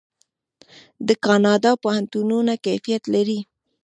د کاناډا پوهنتونونه کیفیت لري.